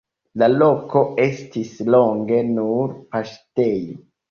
La loko estis longe nur paŝtejo.